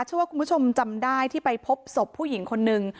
เชื่อว่าคุณผู้ชมจำได้ที่ไปพบศพผู้หญิงคนนึง